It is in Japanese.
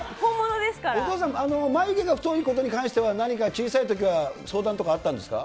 お父さん、眉毛が太いことに関しては、何か小さいときは相談とかあったんですか。